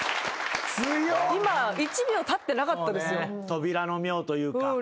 扉の妙というか。